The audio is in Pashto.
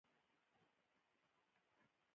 سپوږمکۍ په کورونو کې شته.